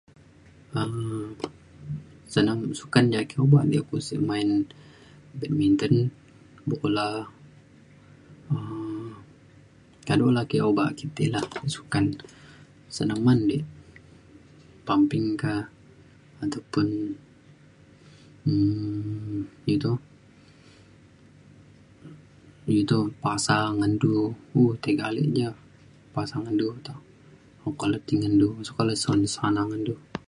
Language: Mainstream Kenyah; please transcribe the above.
um senam sukan ja ake obak ja kulu sek main badminton bola um kado la ake obak ke ti la sukan senaman di pumping ka ataupun um iu toh iu toh pasa ngan du tiga ale ja pasa ngan du toh okak le ti ngan du sukat le sana ngan du